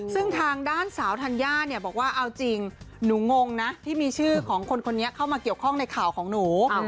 ซึ่งทางด้านสาวธัญญาเนี่ยบอกว่าเอาจริงหนูงงนะที่มีชื่อของคนคนนี้เข้ามาเกี่ยวข้องในข่าวของหนู